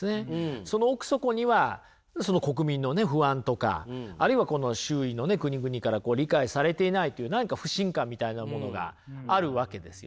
その奥底には国民のね不安とかあるいは周囲の国々から理解されていないという何か不信感みたいなものがあるわけですよね。